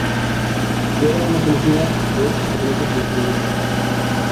Su obra más conocida es "El hombre sin atributos".